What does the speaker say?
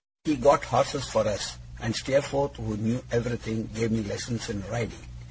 He got horses for us; and Steerforth, who knew everything, gave me lessons in riding.